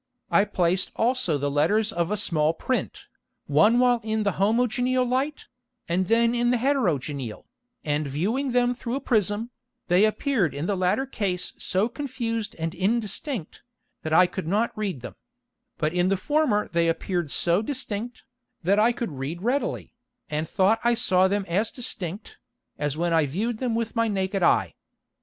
I placed also the Letters of a small print, one while in the homogeneal Light, and then in the heterogeneal, and viewing them through a Prism, they appeared in the latter Case so confused and indistinct, that I could not read them; but in the former they appeared so distinct, that I could read readily, and thought I saw them as distinct, as when I view'd them with my naked Eye.